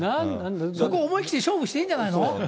そこは思い切って勝負していいんじゃないの。